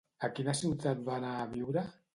A quina ciutat va anar a viure?